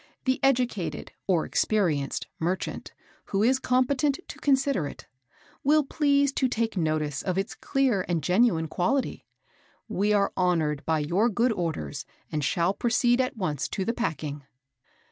The educated (or experienced) merchant, who is competent to consider it, will please to take notice of its clear and genuine quality. We are honoured by your good orders, and shall proceed at once to the packing."